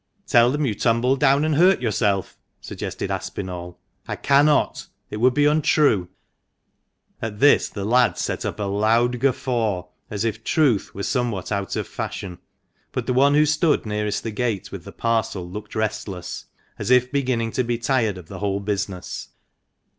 "Tell them you tumbled down and hurt yourself," suggested Aspinall. " I cannot ; it would be untrue !" At this the lads set up a loud guffaw, as if truth were somewhat out of fashion ; but the one who stood nearest the gate with the parcel looked restless, as if beginning to be tired of the whole business.